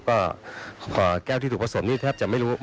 ก็แก้วที่ถูกผสมนี่แทบจะไม่รู้